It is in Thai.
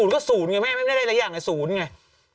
ก็๐ก็๐ไงแม่ไม่ได้เรียกหลายอย่างแต่๐ไง